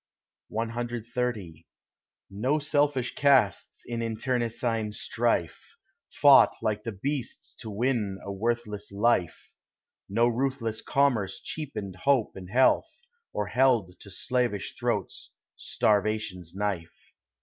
CXXX No selfish castes in internecine strife Fought like the beasts to win a worthless life; No ruthless commerce cheapened hope and health, Or held to slavish throats starvation's knife.